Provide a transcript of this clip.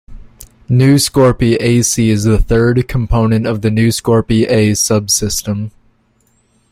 Nu Scorpii Ac is the third component of the Nu Scorpii A subsystem.